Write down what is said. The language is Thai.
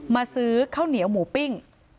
ซื้อข้าวเหนียวหมูปิ้ง